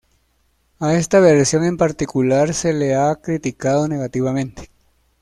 A esta versión en particular, se la ha criticado negativamente.